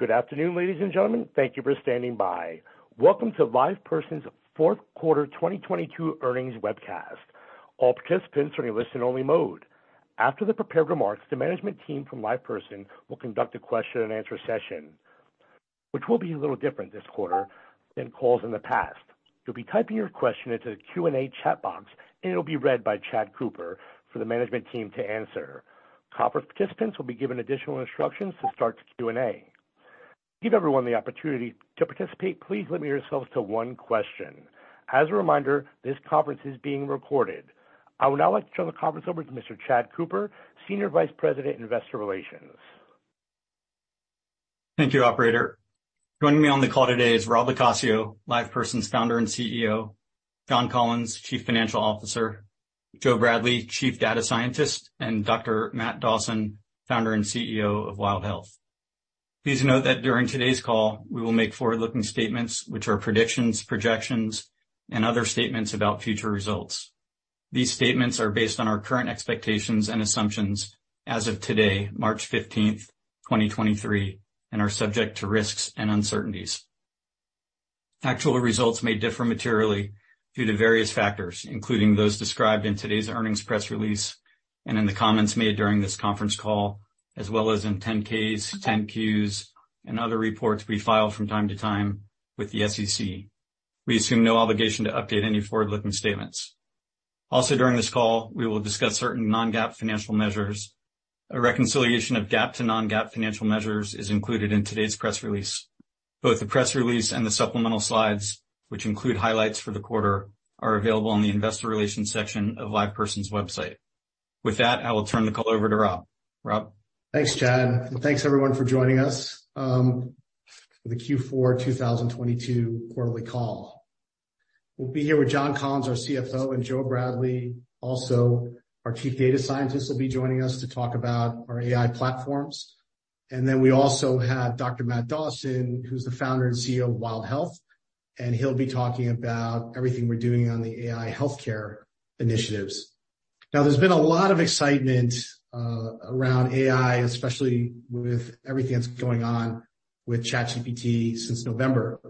Good afternoon, ladies and gentlemen. Thank you for standing by. Welcome to LivePerson's fourth quarter 2022 earnings webcast. All participants are in listen only mode. After the prepared remarks, the management team from LivePerson will conduct a question and answer session, which will be a little different this quarter than calls in the past. You'll be typing your question into the Q&A chat box, and it will be read by Chad Cooper for the management team to answer. Conference participants will be given additional instructions to start the Q&A. To give everyone the opportunity to participate, please limit yourselves to one question. As a reminder, this conference is being recorded. I would now like to turn the conference over to Mr. Chad Cooper, Senior Vice President, Investor Relations. Thank you, operator. Joining me on the call today is Rob LoCascio, LivePerson's Founder and CEO, John Collins, Chief Financial Officer, Joe Bradley, Chief Data Scientist, and Dr. Matt Dawson, Founder and CEO of Wild Health. Please note that during today's call, we will make forward-looking statements which are predictions, projections, and other statements about future results. These statements are based on our current expectations and assumptions as of today, March 15th, 2023, and are subject to risks and uncertainties. Actual results may differ materially due to various factors, including those described in today's earnings press release and in the comments made during this conference call, as well as in 10-Ks, 10-Qs, and other reports we file from time to time with the SEC. We assume no obligation to update any forward-looking statements. During this call, we will discuss certain Non-GAAP financial measures. A reconciliation of GAAP to Non-GAAP financial measures is included in today's press release. Both the press release and the supplemental slides, which include highlights for the quarter, are available on the investor relations section of LivePerson's website. With that, I will turn the call over to Rob. Rob? Thanks, Chad, and thanks everyone for joining us for the Q4 2022 quarterly call. We'll be here with John Collins, our CFO, and Joe Bradley, also our chief data scientist, will be joining us to talk about our AI platforms. We also have Dr. Matt Dawson, who's the founder and CEO of Wild Health, and he'll be talking about everything we're doing on the AI healthcare initiatives. There's been a lot of excitement around AI, especially with everything that's going on with ChatGPT since November.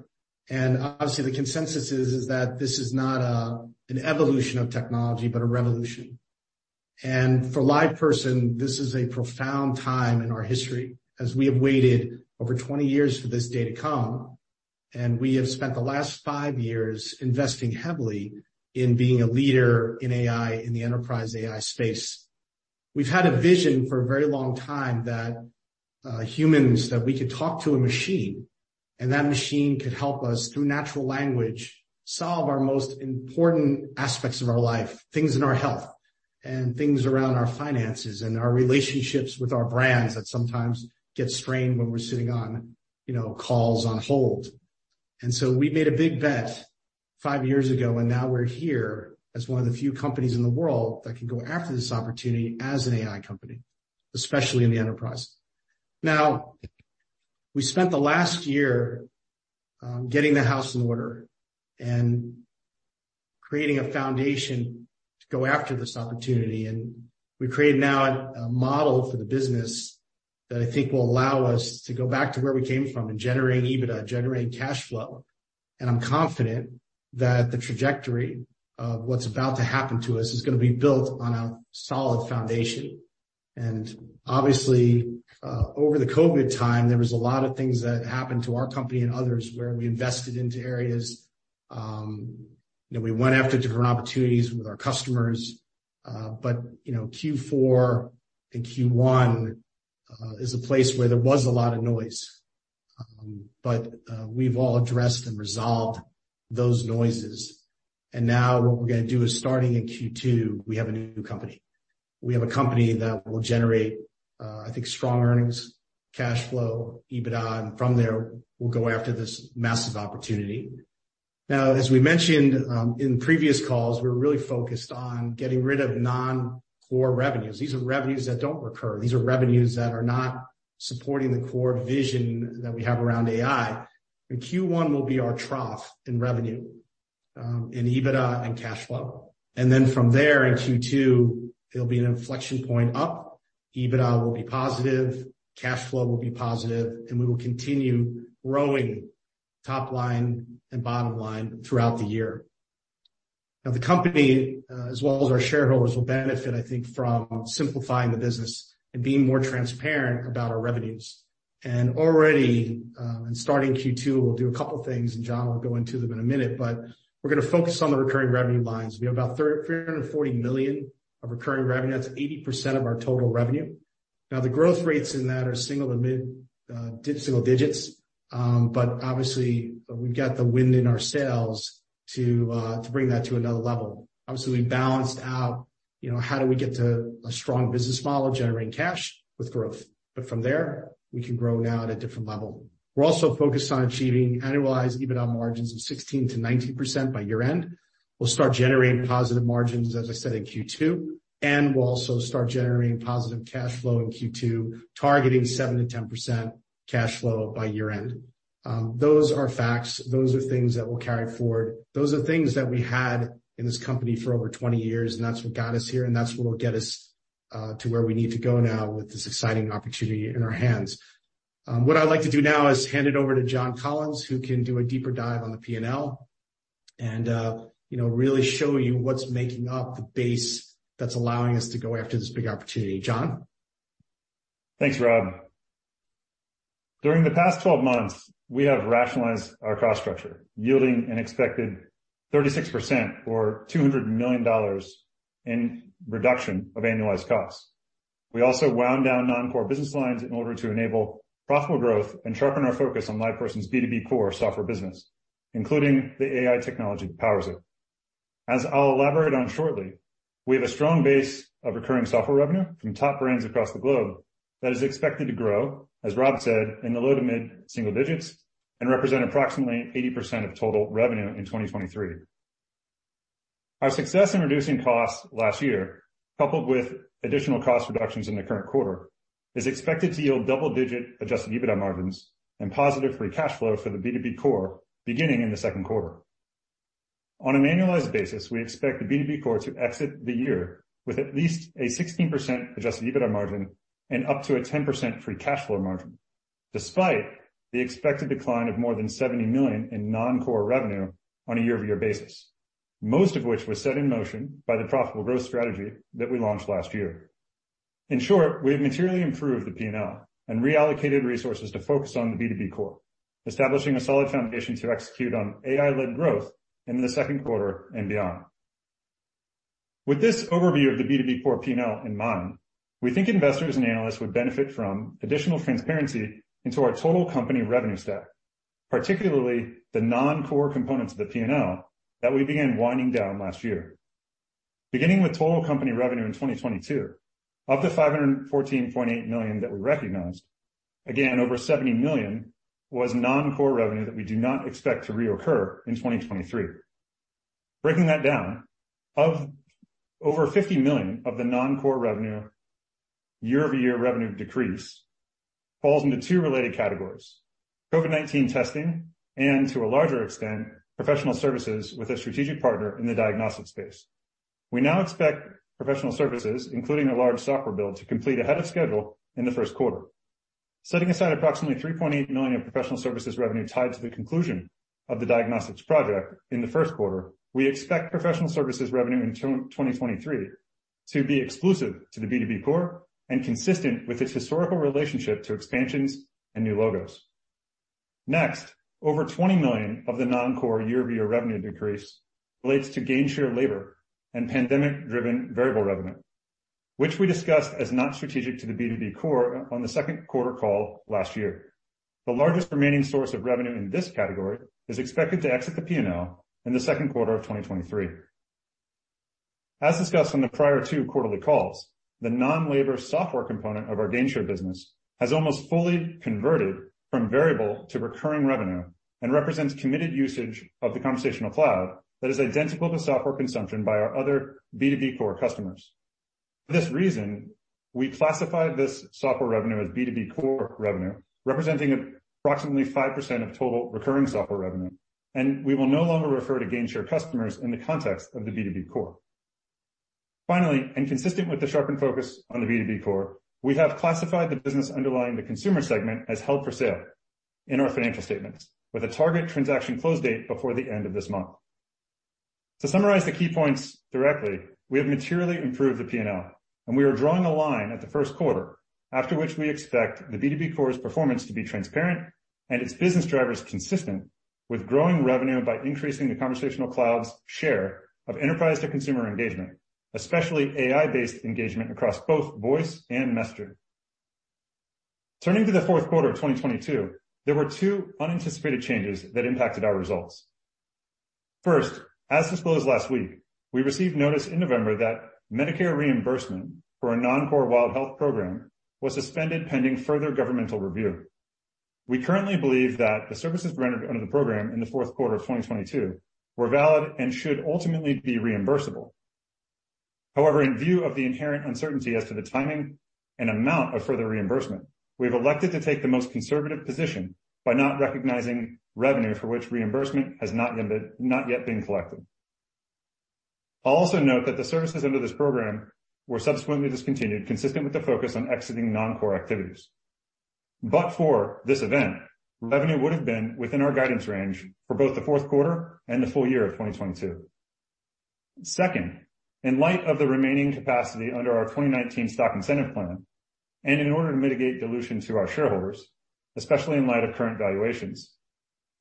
Obviously the consensus is that this is not an evolution of technology, but a revolution. For LivePerson, this is a profound time in our history as we have waited over 20 years for this day to come. We have spent the last five years investing heavily in being a leader in AI in the enterprise AI space. We've had a vision for a very long time that we could talk to a machine, and that machine could help us, through natural language, solve our most important aspects of our life, things in our health and things around our finances and our relationships with our brands that sometimes get strained when we're sitting on, you know, calls on hold. We made a big bet five years ago, and now we're here as one of the few companies in the world that can go after this opportunity as an AI company, especially in the enterprise. We spent the last year getting the house in order and creating a foundation to go after this opportunity. We created now a model for the business that I think will allow us to go back to where we came from in generating EBITDA, generating cash flow. I'm confident that the trajectory of what's about to happen to us is gonna be built on a solid foundation. Obviously, over the COVID time, there was a lot of things that happened to our company and others where we invested into areas, you know, we went after different opportunities with our customers. You know, Q4 and Q1 is a place where there was a lot of noise. We've all addressed and resolved those noises. Now what we're gonna do is, starting in Q2, we have a new company. We have a company that will generate, I think, strong earnings, cash flow, EBITDA, and from there, we'll go after this massive opportunity. As we mentioned, in previous calls, we're really focused on getting rid of non-core revenues. These are revenues that don't recur. These are revenues that are not supporting the core vision that we have around AI. Q1 will be our trough in revenue, in EBITDA and cash flow. Then from there in Q2, there'll be an inflection point up. EBITDA will be positive, cash flow will be positive, and we will continue growing top line and bottom line throughout the year. The company, as well as our shareholders, will benefit, I think, from simplifying the business and being more transparent about our revenues. Starting Q2, we'll do a couple things, John will go into them in a minute, we're gonna focus on the recurring revenue lines. We have about $340 million of recurring revenue. That's 80% of our total revenue. The growth rates in that are single to mid-single digits. Obviously we've got the wind in our sails to bring that to another level. Obviously, we balanced out, you know, how do we get to a strong business model generating cash with growth? From there, we can grow now at a different level. We're also focused on achieving annualized EBITDA margins of 16%-19% by year-end. We'll start generating positive margins, as I said, in Q2, and we'll also start generating positive cash flow in Q2, targeting 7%-10% cash flow by year-end. Those are facts. Those are things that we'll carry forward. Those are things that we had in this company for over 20 years, and that's what got us here, and that's what will get us to where we need to go now with this exciting opportunity in our hands. What I'd like to do now is hand it over to John Collins, who can do a deeper dive on the P&L and, you know, really show you what's making up the base that's allowing us to go after this big opportunity. John? Thanks, Rob. During the past 12 months, we have rationalized our cost structure, yielding an expected 36% or $200 million in reduction of annualized costs. We also wound down non-core business lines in order to enable profitable growth and sharpen our focus on LivePerson's B2B core software business, including the AI technology that powers it. As I'll elaborate on shortly, we have a strong base of recurring software revenue from top brands across the globe that is expected to grow, as Rob said, in the low to mid-single digits and represent approximately 80% of total revenue in 2023. Our success in reducing costs last year, coupled with additional cost reductions in the current quarter, is expected to yield double-digit adjusted EBITDA margins and positive free cash flow for the B2B core beginning in the second quarter. On an annualized basis, we expect the B2B core to exit the year with at least a 16% adjusted EBITDA margin and up to a 10% free cash flow margin, despite the expected decline of more than $70 million in non-core revenue on a year-over-year basis, most of which was set in motion by the profitable growth strategy that we launched last year. In short, we have materially improved the P&L and reallocated resources to focus on the B2B core, establishing a solid foundation to execute on AI-led growth in the second quarter and beyond. With this overview of the B2B core P&L in mind, we think investors and analysts would benefit from additional transparency into our total company revenue stack, particularly the non-core components of the P&L that we began winding down last year. Beginning with total company revenue in 2022, of the $514.8 million that we recognized, again, over $70 million was non-core revenue that we do not expect to reoccur in 2023. Breaking that down, of over $50 million of the non-core revenue, year-over-year revenue decrease falls into two related categories. COVID-19 testing and to a larger extent, professional services with a strategic partner in the diagnostic space. We now expect professional services, including a large software build, to complete ahead of schedule in the first quarter. Setting aside approximately $3.8 million of professional services revenue tied to the conclusion of the diagnostics project in the first quarter, we expect professional services revenue in 2023 to be exclusive to the B2B core and consistent with its historical relationship to expansions and new logos. Over $20 million of the non-core year-over-year revenue decrease relates to gainshare labor and pandemic-driven variable revenue, which we discussed as not strategic to the B2B core on the second quarter call last year. The largest remaining source of revenue in this category is expected to exit the P&L in the second quarter of 2023. As discussed on the prior two quarterly calls, the non-labor software component of our gainshare business has almost fully converted from variable to recurring revenue and represents committed usage of the Conversational Cloud that is identical to software consumption by our other B2B core customers. For this reason, we classified this software revenue as B2B core revenue, representing approximately 5% of total recurring software revenue, and we will no longer refer to gainshare customers in the context of the B2B core. Finally, consistent with the sharpened focus on the B2B core, we have classified the business underlying the consumer segment as held for sale in our financial statements with a target transaction close date before the end of this month. To summarize the key points directly, we have materially improved the P&L, and we are drawing a line at the first quarter after which we expect the B2B core's performance to be transparent and its business drivers consistent with growing revenue by increasing the Conversational Cloud's share of enterprise to consumer engagement, especially AI-based engagement across both voice and messenger. Turning to the fourth quarter of 2022, there were two unanticipated changes that impacted our results. First, as disclosed last week, we received notice in November that Medicare reimbursement for a non-core Wild Health program was suspended pending further governmental review. We currently believe that the services rendered under the program in the fourth quarter of 2022 were valid and should ultimately be reimbursable. In view of the inherent uncertainty as to the timing and amount of further reimbursement, we have elected to take the most conservative position by not recognizing revenue for which reimbursement has not yet been collected. I'll also note that the services under this program were subsequently discontinued, consistent with the focus on exiting non-core activities. For this event, revenue would have been within our guidance range for both the fourth quarter and the full year of 2022. Second, in light of the remaining capacity under our 2019 Stock Incentive Plan, and in order to mitigate dilution to our shareholders, especially in light of current valuations,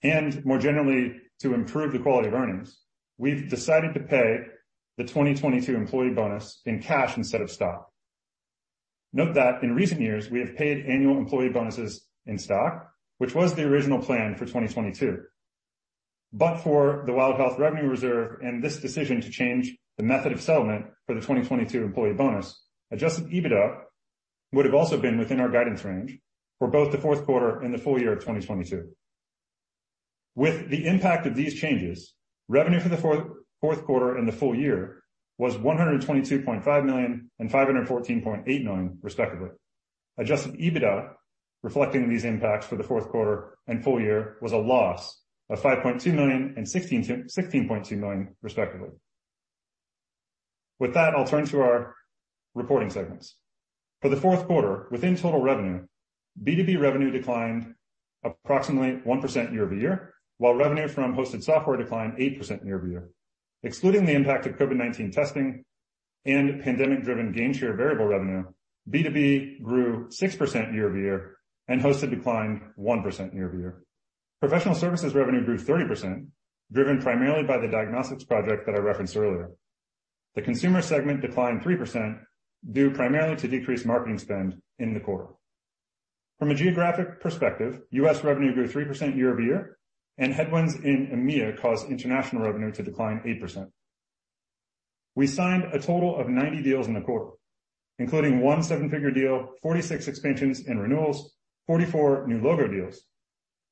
and more generally to improve the quality of earnings, we've decided to pay the 2022 employee bonus in cash instead of stock. Note that in recent years, we have paid annual employee bonuses in stock, which was the original plan for 2022. For the Wild Health revenue reserve and this decision to change the method of settlement for the 2022 employee bonus, adjusted EBITDA would have also been within our guidance range for both the fourth quarter and the full year of 2022. With the impact of these changes, revenue for the fourth quarter and the full year was $122.5 million and $514.8 million, respectively. Adjusted EBITDA, reflecting these impacts for the fourth quarter and full year, was a loss of $5.2 million and $16.2 million, respectively. I'll turn to our reporting segments. Within total revenue, B2B revenue declined approximately 1% year-over-year, while revenue from hosted software declined 8% year-over-year. Excluding the impact of COVID-19 testing and pandemic-driven gainshare variable revenue, B2B grew 6% year-over-year and hosted declined 1% year-over-year. Professional services revenue grew 30%, driven primarily by the diagnostics project that I referenced earlier. The consumer segment declined 3%, due primarily to decreased marketing spend in the quarter. A geographic perspective, U.S. revenue grew 3% year-over-year, and headwinds in EMEA caused international revenue to decline 8%. We signed a total of 90 deals in the quarter, including 1 seven-figure deal, 46 expansions and renewals, 44 new logo deals.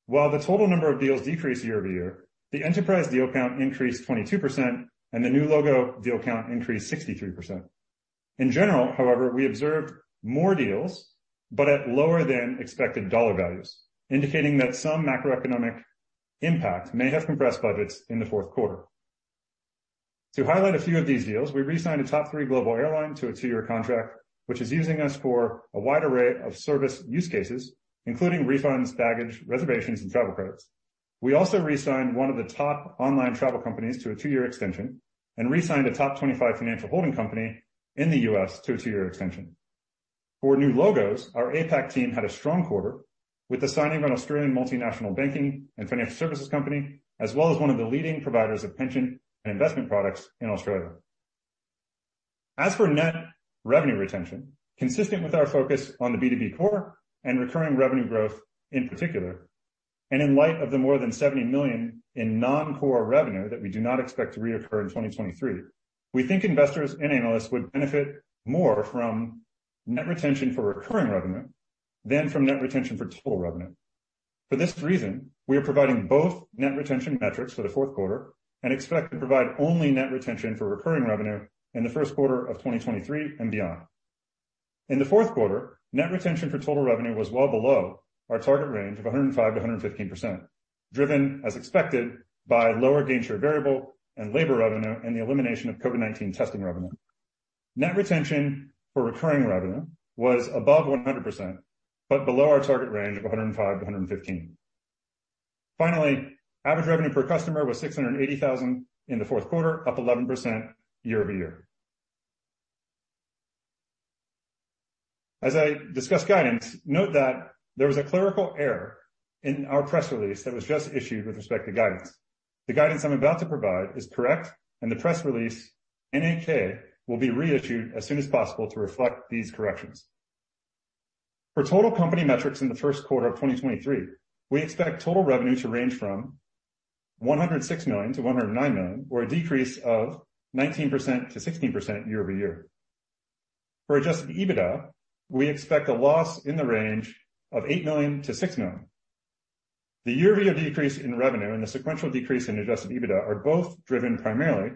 While the total number of deals decreased year-over-year, the enterprise deal count increased 22% and the new logo deal count increased 63%. In general, however, we observed more deals, but at lower than expected dollar values, indicating that some macroeconomic impact may have compressed budgets in the fourth quarter. To highlight a few of these deals, we resigned a top three global airline to a 2-year contract, which is using us for a wide array of service use cases, including refunds, baggage, reservations, and travel credits. We also resigned 1 of the top online travel companies to a 2-year extension, and resigned a top 25 financial holding company in the U.S. to a 2-year extension. For new logos, our APAC team had a strong quarter with the signing of an Australian multinational banking and financial services company, as well as one of the leading providers of pension and investment products in Australia. As for net revenue retention, consistent with our focus on the B2B core and recurring revenue growth in particular, and in light of the more than $70 million in non-core revenue that we do not expect to reoccur in 2023, we think investors and analysts would benefit more from net retention for recurring revenue than from net retention for total revenue. For this reason, we are providing both net retention metrics for the fourth quarter and expect to provide only net retention for recurring revenue in the first quarter of 2023 and beyond. In the fourth quarter, net retention for total revenue was well below our target range of 105%-115%, driven as expected by lower gainshare variable and labor revenue, and the elimination of COVID-19 testing revenue. Net retention for recurring revenue was above 100%, but below our target range of 105%-115%. Finally, average revenue per customer was $680,000 in the fourth quarter, up 11% year-over-year. As I discuss guidance, note that there was a clerical error in our press release that was just issued with respect to guidance. The guidance I'm about to provide is correct, and the press release, 8-K, will be reissued as soon as possible to reflect these corrections. For total company metrics in the first quarter of 2023, we expect total revenue to range from $106 million-$109 million, or a decrease of 19%-16% year-over-year. For adjusted EBITDA, we expect a loss in the range of $8 million-$6 million. The year-over-year decrease in revenue and the sequential decrease in adjusted EBITDA are both driven primarily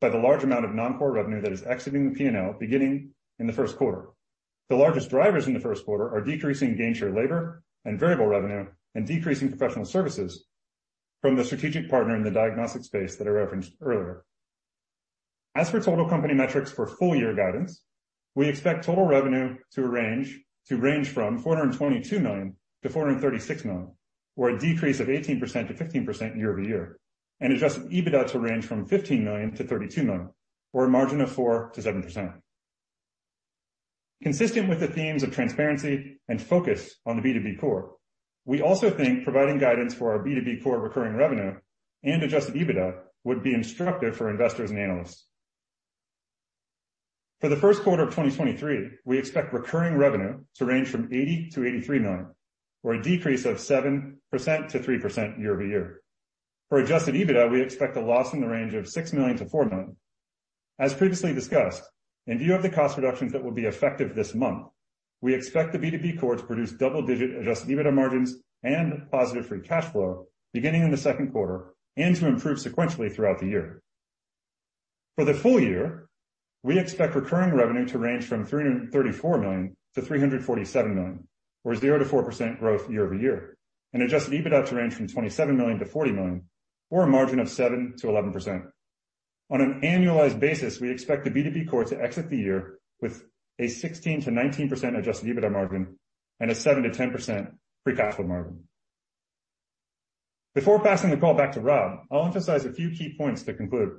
by the large amount of non-core revenue that is exiting the P&L beginning in the first quarter. The largest drivers in the first quarter are decreasing gainshare labor and variable revenue, and decreasing professional services from the strategic partner in the diagnostic space that I referenced earlier. As for total company metrics for full year guidance, we expect total revenue to range from $422 million-$436 million, or a decrease of 18%-15% year-over-year, and adjusted EBITDA to range from $15 million to $32 million, or a margin of 4%-7%. Consistent with the themes of transparency and focus on the B2B core, we also think providing guidance for our B2B core recurring revenue and adjusted EBITDA would be instructive for investors and analysts. For the first quarter of 2023, we expect recurring revenue to range from $80 million- $83 million, or a decrease of 7%-3% year-over-year. For adjusted EBITDA, we expect a loss in the range of $6 million-$4 million. As previously discussed, in view of the cost reductions that will be effective this month, we expect the B2B core to produce double-digit adjusted EBITDA margins and positive free cash flow beginning in the second quarter and to improve sequentially throughout the year. For the full year, we expect recurring revenue to range from $334 million-$347 million, or 0%-4% growth year-over-year, and adjusted EBITDA to range from $27 million-$40 million, or a margin of 7%-11%. On an annualized basis, we expect the B2B core to exit the year with a 16%-19% adjusted EBITDA margin and a 7%-10% free cash flow margin. Before passing the call back to Rob, I'll emphasize a few key points to conclude.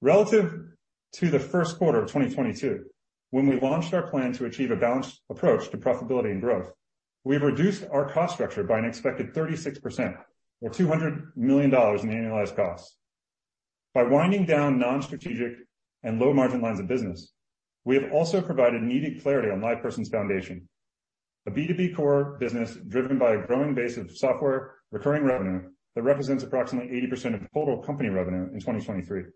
Relative to the first quarter of 2022, when we launched our plan to achieve a balanced approach to profitability and growth, we've reduced our cost structure by an expected 36% or $200 million in annualized costs. By winding down non-strategic and low-margin lines of business, we have also provided needed clarity on LivePerson's foundation, a B2B core business driven by a growing base of software recurring revenue that represents approximately 80% of total company revenue in 2023.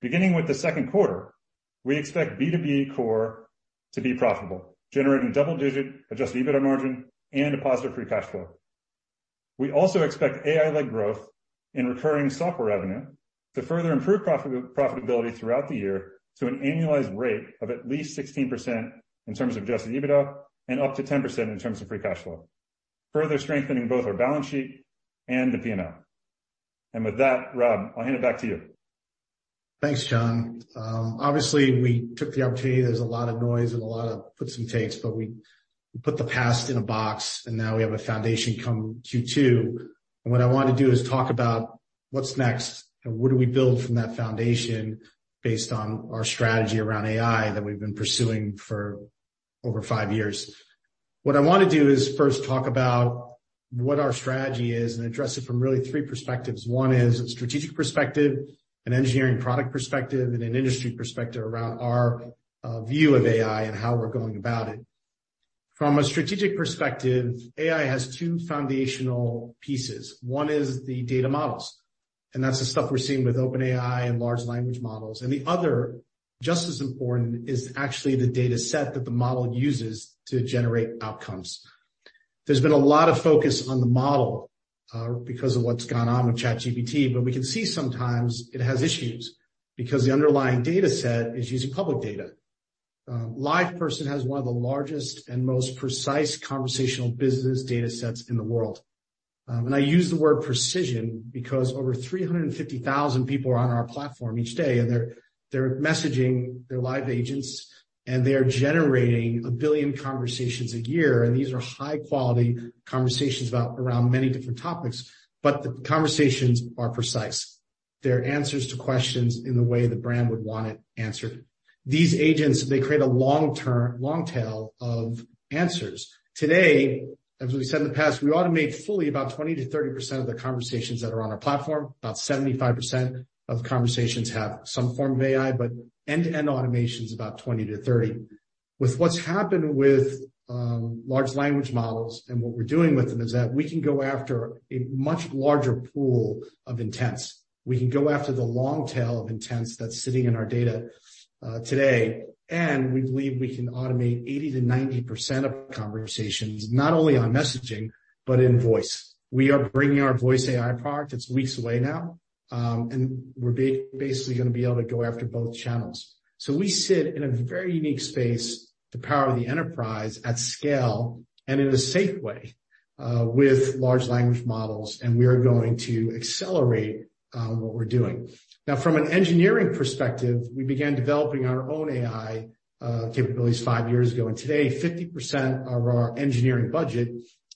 Beginning with the second quarter, we expect B2B core to be profitable, generating double-digit adjusted EBITDA margin and a positive free cash flow. We also expect AI-led growth in recurring software revenue to further improve profitability throughout the year to an annualized rate of at least 16% in terms of adjusted EBITDA and up to 10% in terms of free cash flow, further strengthening both our balance sheet and the P&L. With that, Rob, I'll hand it back to you. Thanks, John. Obviously, we took the opportunity. There's a lot of noise and a lot of puts and takes, we put the past in a box, and now we have a foundation come Q2. What I want to do is talk about what's next and what do we build from that foundation based on our strategy around AI that we've been pursuing for over five years. What I wanna do is first talk about what our strategy is and address it from really three perspectives. One is a strategic perspective, an engineering product perspective, and an industry perspective around our view of AI and how we're going about it. From a strategic perspective, AI has two foundational pieces. One is the data models, that's the stuff we're seeing with OpenAI and large language models. The other, just as important, is the data set that the model uses to generate outcomes. There's been a lot of focus on the model because of what's gone on with ChatGPT, but we can see sometimes it has issues because the underlying data set is using public data. LivePerson has one of the largest and most precise conversational business data sets in the world. I use the word precision because over 350,000 people are on our platform each day, and they're messaging their live agents, and they are generating 1 billion conversations a year. These are high-quality conversations around many different topics, but the conversations are precise. They're answers to questions in the way the brand would want it answered. These agents, they create a long tail of answers. Today, as we said in the past, we automate fully about 20%-30% of the conversations that are on our platform. About 75% of conversations have some form of AI, but end-to-end automation is about 20%-30%. With what's happened with large language models, and what we're doing with them is that we can go after a much larger pool of intents. We can go after the long tail of intents that's sitting in our data today, and we believe we can automate 80%-90% of conversations, not only on messaging, but in voice. We are bringing our Voice AI product, it's weeks away now, and we're basically gonna be able to go after both channels. We sit in a very unique space, the power of the enterprise at scale and in a safe way, with large language models, and we are going to accelerate what we're doing. Now, from an engineering perspective, we began developing our own AI capabilities five years ago, and today 50% of our engineering budget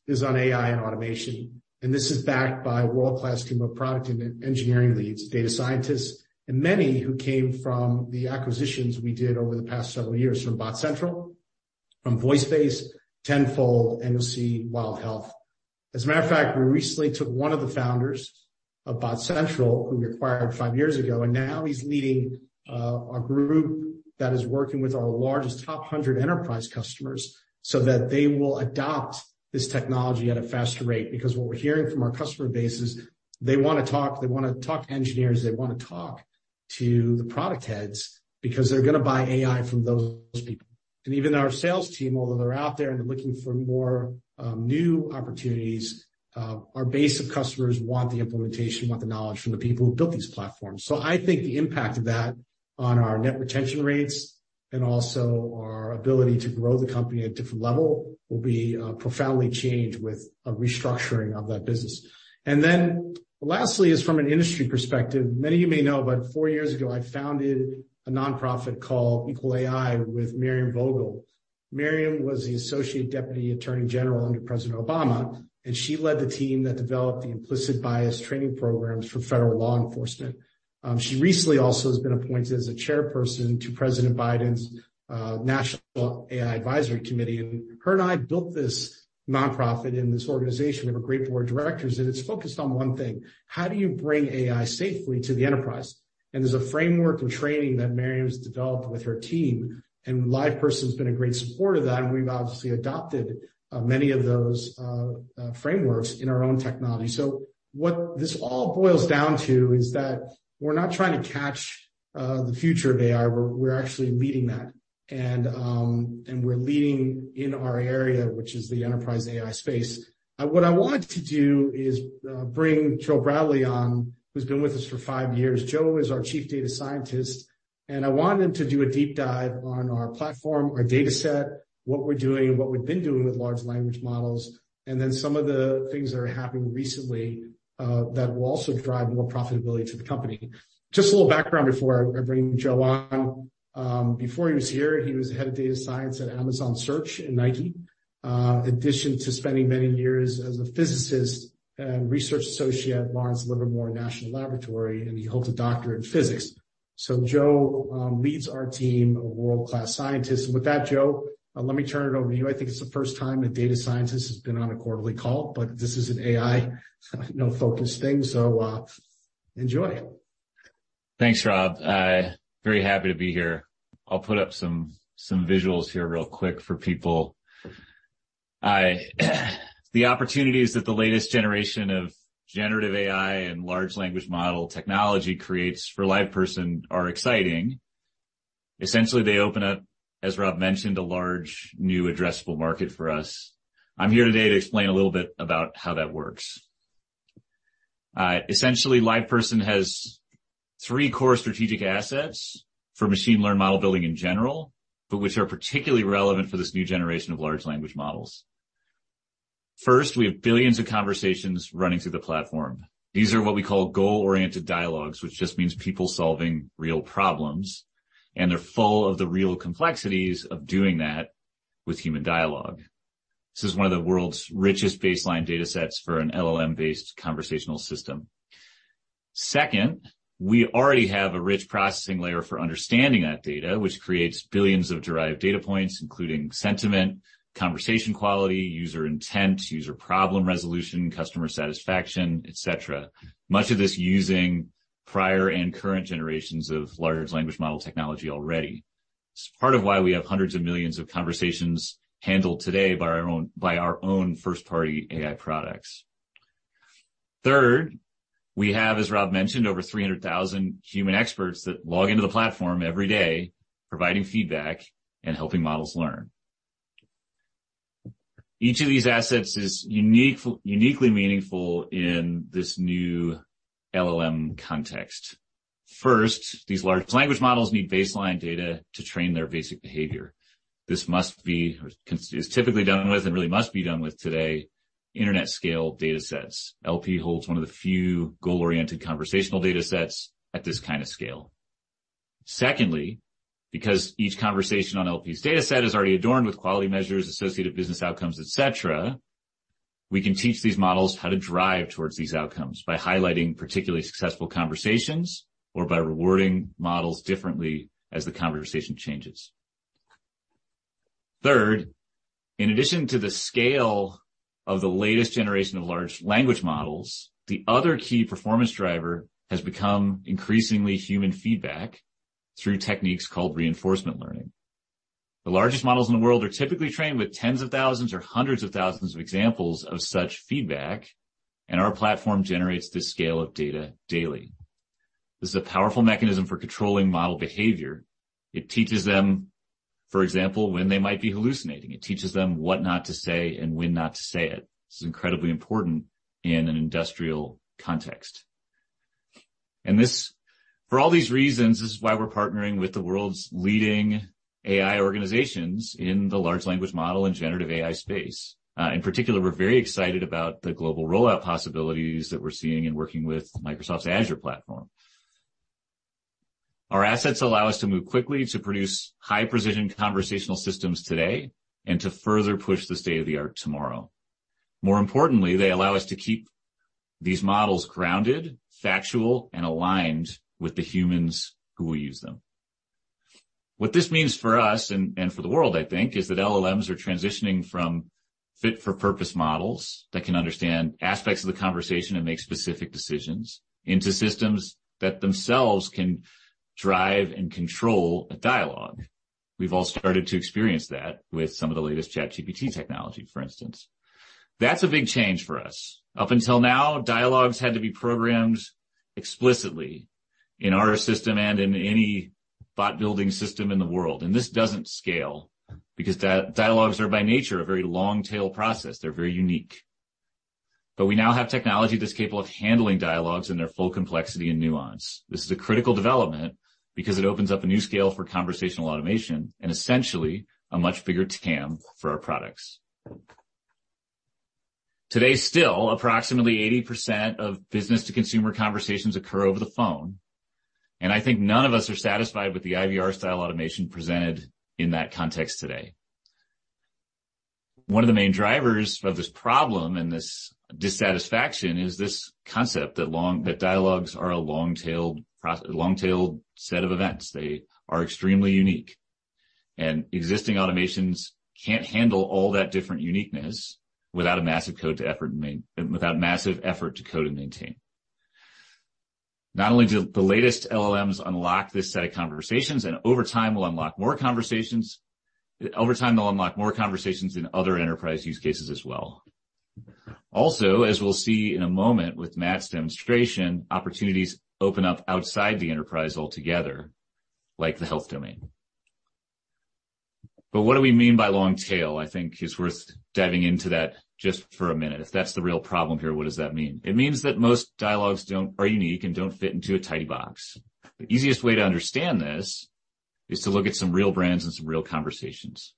is on AI and automation. This is backed by a world-class team of product and engineering leads, data scientists, and many who came from the acquisitions we did over the past several years from Botcentral, from VoiceBase, Tenfold, NOC, Wild Health. As a matter of fact, we recently took one of the founders of Botcentral, who we acquired five years ago, and now he's leading a group that is working with our largest top 100 enterprise customers so that they will adopt this technology at a faster rate. What we're hearing from our customer base is they wanna talk, they wanna talk to engineers, they wanna talk to the product heads because they're gonna buy AI from those people. Even our sales team, although they're out there and looking for more, new opportunities, our base of customers want the implementation, want the knowledge from the people who built these platforms. I think the impact of that on our net retention rates and also our ability to grow the company at a different level will be profoundly changed with a restructuring of that business. Lastly is from an industry perspective. Many of you may know, four years ago, I founded a nonprofit called EqualAI with Vanita Gupta. Vanita was the Associate Deputy Attorney General under President Obama, she led the team that developed the implicit bias training programs for federal law enforcement. She recently also has been appointed as a chairperson to President Biden's National AI Advisory Committee. Her and I built this nonprofit and this organization. We have a great board of directors, and it's focused on one thing: How do you bring AI safely to the enterprise? There's a framework and training that Vanita has developed with her team, and LivePerson's been a great supporter of that, and we've obviously adopted many of those frameworks in our own technology. What this all boils down to is that we're not trying to catch the future of AI, we're actually leading that. We're leading in our area, which is the enterprise AI space. What I want to do is bring Joe Bradley on, who's been with us for five years. Joe is our chief data scientist, and I want him to do a deep dive on our platform, our data set, what we're doing and what we've been doing with large language models, and then some of the things that are happening recently that will also drive more profitability to the company. Just a little background before I bring Joe on. Before he was here, he was head of data science at Amazon Search and Nike. Addition to spending many years as a physicist and research associate at Lawrence Livermore National Laboratory, and he holds a doctorate in physics. Joe leads our team of world-class scientists. With that, Joe, let me turn it over to you. I think it's the first time a data scientist has been on a quarterly call, but this is an AI, you know, focus thing, so, enjoy. Thanks, Rob. very happy to be here. I'll put up some visuals here real quick for people. Hi. The opportunities that the latest generation of generative AI and large language model technology creates for LivePerson are exciting. Essentially, they open up, as Rob mentioned, a large new addressable market for us. I'm here today to explain a little bit about how that works. Essentially, LivePerson has three core strategic assets for machine learning model building in general, but which are particularly relevant for this new generation of large language models. First, we have billions of conversations running through the platform. These are what we call goal-oriented dialogues, which just means people solving real problems, and they're full of the real complexities of doing that with human dialogue. This is one of the world's richest baseline datasets for an LLM-based conversational system. Second, we already have a rich processing layer for understanding that data, which creates billions of derived data points, including sentiment, conversation quality, user intent, user problem resolution, customer satisfaction, et cetera. Much of this using prior and current generations of large language model technology already. It's part of why we have hundreds of millions of conversations handled today by our own first-party AI products. Third, we have, as Rob mentioned, over 300,000 human experts that log into the platform every day, providing feedback and helping models learn. Each of these assets is uniquely meaningful in this new LLM context. First, these large language models need baseline data to train their basic behavior. This must be, or is typically done with, and really must be done with today, internet-scale datasets. LP holds one of the few goal-oriented conversational datasets at this kind of scale. Secondly, because each conversation on LP's dataset is already adorned with quality measures, associated business outcomes, et cetera, we can teach these models how to drive towards these outcomes by highlighting particularly successful conversations or by rewarding models differently as the conversation changes. Third, in addition to the scale of the latest generation of large language models, the other key performance driver has become increasingly human feedback through techniques called reinforcement learning. The largest models in the world are typically trained with tens of thousands or hundreds of thousands of examples of such feedback, and our platform generates this scale of data daily. This is a powerful mechanism for controlling model behavior. It teaches them, for example, when they might be hallucinating. It teaches them what not to say and when not to say it. This is incredibly important in an industrial context. For all these reasons, this is why we're partnering with the world's leading AI organizations in the large language model and generative AI space. In particular, we're very excited about the global rollout possibilities that we're seeing in working with Microsoft's Azure platform. Our assets allow us to move quickly to produce high-precision conversational systems today and to further push the state-of-the-art tomorrow. More importantly, they allow us to keep these models grounded, factual, and aligned with the humans who will use them. What this means for us and for the world, I think, is that LLMs are transitioning from fit-for-purpose models that can understand aspects of the conversation and make specific decisions into systems that themselves can drive and control a dialogue. We've all started to experience that with some of the latest ChatGPT technology, for instance. That's a big change for us. Up until now, dialogues had to be programmed explicitly in our system and in any bot-building system in the world. This doesn't scale because dialogues are by nature a very long-tail process. They're very unique. We now have technology that's capable of handling dialogues in their full complexity and nuance. This is a critical development because it opens up a new scale for conversational automation and essentially a much bigger TAM for our products. Today still, approximately 80% of business-to-consumer conversations occur over the phone, and I think none of us are satisfied with the IVR style automation presented in that context today. One of the main drivers of this problem and this dissatisfaction is this concept that dialogues are a long-tailed set of events. They are extremely unique. Existing automations can't handle all that different uniqueness without a massive effort to code and maintain. Not only do the latest LLMs unlock this set of conversations, over time, they'll unlock more conversations in other enterprise use cases as well. As we'll see in a moment with Matt's demonstration, opportunities open up outside the enterprise altogether, like the health domain. What do we mean by long tail? I think it's worth diving into that just for a minute. If that's the real problem here, what does that mean? It means that most dialogues are unique and don't fit into a tidy box. The easiest way to understand this is to look at some real brands and some real conversations.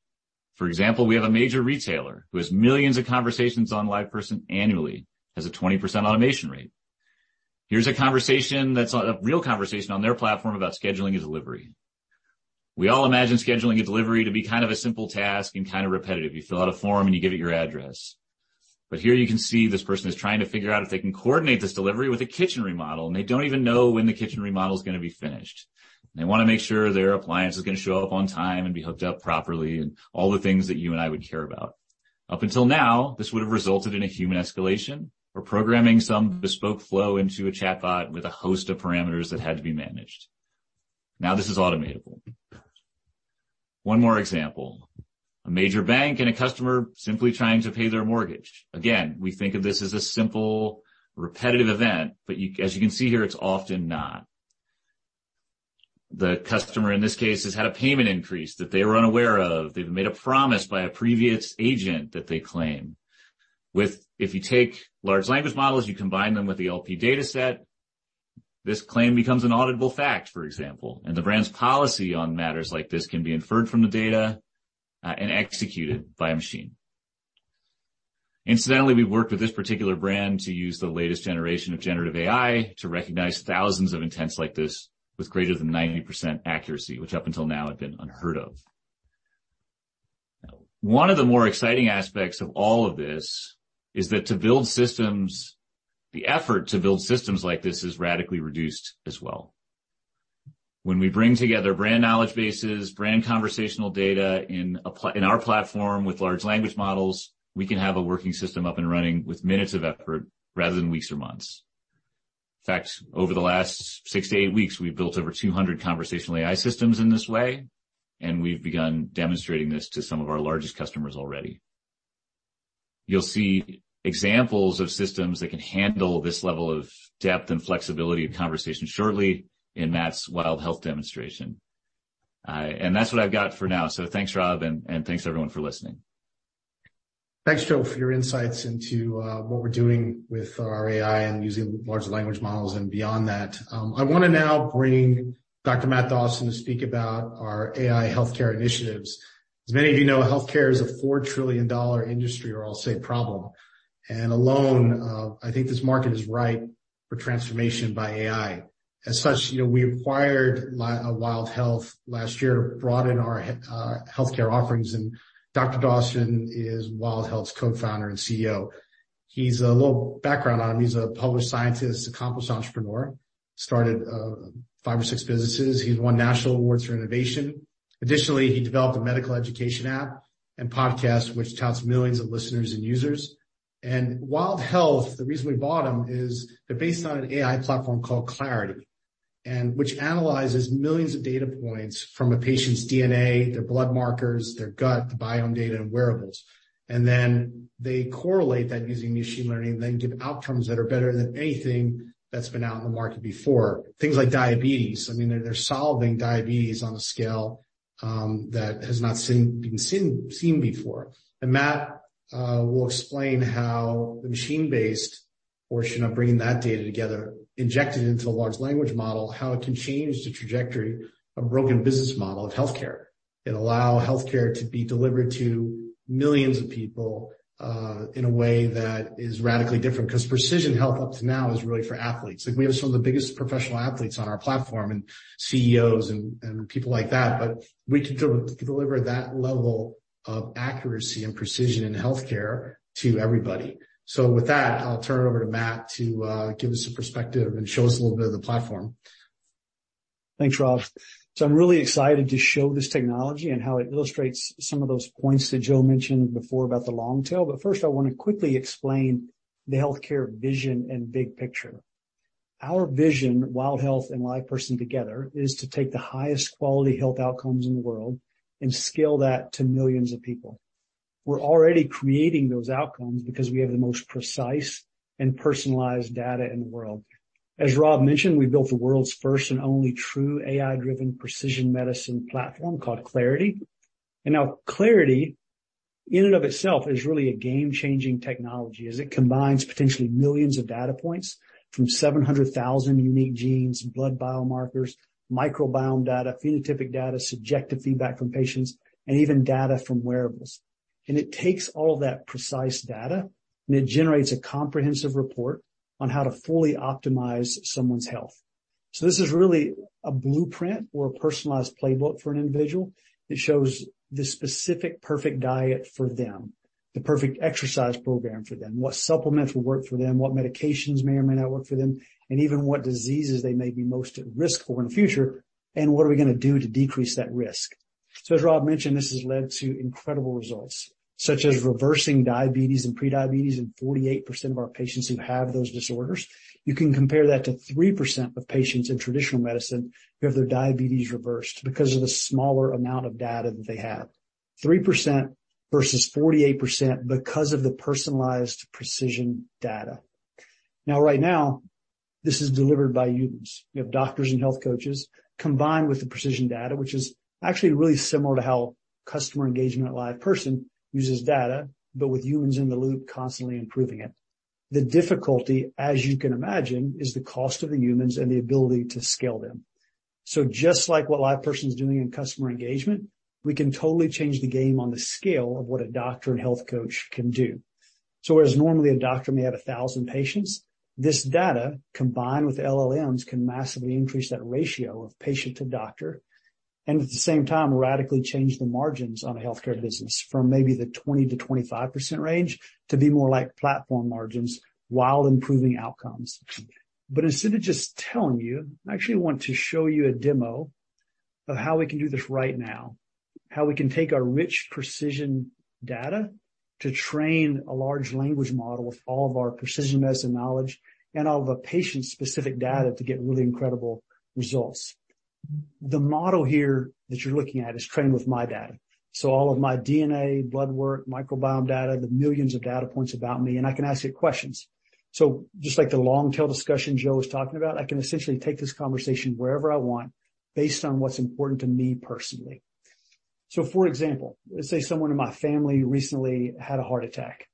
For example, we have a major retailer who has millions of conversations on LivePerson annually, has a 20% automation rate. Here's a conversation that's on a real conversation on their platform about scheduling a delivery. We all imagine scheduling a delivery to be kind of a simple task and kind of repetitive. You fill out a form, you give it your address. Here you can see this person is trying to figure out if they can coordinate this delivery with a kitchen remodel, and they don't even know when the kitchen remodel is gonna be finished. They wanna make sure their appliance is gonna show up on time and be hooked up properly and all the things that you and I would care about. Up until now, this would have resulted in a human escalation or programming some bespoke flow into a chatbot with a host of parameters that had to be managed. Now this is automatable. One more example. A major bank and a customer simply trying to pay their mortgage. Again, we think of this as a simple, repetitive event, but it's often not. The customer in this case has had a payment increase that they were unaware of. They've been made a promise by a previous agent that they claim. If you take large language models, you combine them with the LP dataset, this claim becomes an auditable fact, for example, and the brand's policy on matters like this can be inferred from the data and executed by a machine. Incidentally, we worked with this particular brand to use the latest generation of generative AI to recognize thousands of intents like this with greater than 90% accuracy, which up until now had been unheard of. One of the more exciting aspects of all of this is that the effort to build systems like this is radically reduced as well. When we bring together brand knowledge bases, brand conversational data in our platform with large language models, we can have a working system up and running with minutes of effort rather than weeks or months. Over the last 6-8 weeks, we've built over 200 conversational AI systems in this way, and we've begun demonstrating this to some of our largest customers already. You'll see examples of systems that can handle this level of depth and flexibility of conversation shortly in Matt's Wild Health demonstration. That's what I've got for now. Thanks, Rob, and thanks everyone for listening. Thanks, Joe, for your insights into what we're doing with our AI and using large language models and beyond that. I wanna now bring Dr. Matt Dawson to speak about our AI healthcare initiatives. As many of you know, healthcare is a $4 trillion industry or I'll say problem, alone, I think this market is ripe for transformation by AI. As such, you know, we acquired Wild Health last year to broaden our healthcare offerings. Dr. Dawson is Wild Health's co-founder and CEO. Little background on him. He's a published scientist, accomplished entrepreneur, started, five or six businesses. He's won national awards for innovation. Additionally, he developed a medical education app and podcast which touts millions of listeners and users. Wild Health, the reason we bought them is they're based on an AI platform called Clarity, which analyzes millions of data points from a patient's DNA, their blood markers, their gut, the biome data, and wearables. Then they correlate that using machine learning, then give outcomes that are better than anything that's been out in the market before. Things like diabetes. I mean, they're solving diabetes on a scale that has not been seen before. Matt will explain how the machine-based portion of bringing that data together, injected into the large language model, how it can change the trajectory of broken business model of healthcare and allow healthcare to be delivered to millions of people in a way that is radically different. Precision health up to now is really for athletes. We have some of the biggest professional athletes on our platform and CEOs and people like that, but we can deliver that level of accuracy and precision in healthcare to everybody. With that, I'll turn it over to Matt to give us a perspective and show us a little bit of the platform. Thanks, Rob. I'm really excited to show this technology and how it illustrates some of those points that Joe mentioned before about the long tail. First, I wanna quickly explain the healthcare vision and big picture. Our vision, Wild Health and LivePerson together, is to take the highest quality health outcomes in the world and scale that to millions of people. We're already creating those outcomes because we have the most precise and personalized data in the world. As Rob mentioned, we built the world's first and only true AI-driven precision medicine platform called Clarity. Now Clarity in and of itself is really a game-changing technology as it combines potentially millions of data points from 700,000 unique genes, blood biomarkers, microbiome data, phenotypic data, subjective feedback from patients, and even data from wearables. It takes all of that precise data, and it generates a comprehensive report on how to fully optimize someone's health. This is really a blueprint or a personalized playbook for an individual. It shows the specific perfect diet for them, the perfect exercise program for them, what supplements will work for them, what medications may or may not work for them, and even what diseases they may be most at risk for in the future, and what are we gonna do to decrease that risk. As Rob mentioned, this has led to incredible results, such as reversing diabetes and pre-diabetes in 48% of our patients who have those disorders. You can compare that to 3% of patients in traditional medicine who have their diabetes reversed because of the smaller amount of data that they have. 3% versus 48% because of the personalized precision data. Now, right now, this is delivered by humans. You have doctors and health coaches combined with the precision data, which is actually really similar to how customer engagement at LivePerson uses data, but with humans in the loop constantly improving it. The difficulty, as you can imagine, is the cost of the humans and the ability to scale them. Just like what LivePerson's doing in customer engagement, we can totally change the game on the scale of what a doctor and health coach can do. Whereas normally a doctor may have 1,000 patients, this data, combined with LLMs, can massively increase that ratio of patient to doctor and at the same time radically change the margins on a healthcare business from maybe the 20%-25% range to be more like platform margins while improving outcomes. Instead of just telling you, I actually want to show you a demo of how we can do this right now, how we can take our rich precision data to train a large language model with all of our precision medicine knowledge and all of a patient-specific data to get really incredible results. The model here that you're looking at is trained with my data. All of my DNA, blood work, microbiome data, the millions of data points about me, and I can ask it questions. Just like the long tail discussion Joe was talking about, I can essentially take this conversation wherever I want based on what's important to me personally. For example, let's say someone in my family recently had a heart attack.